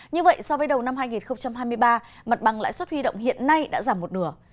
như vậy so với đầu năm hai nghìn hai mươi ba mặt bằng lãi suất huy động hiện nay đã giảm một nửa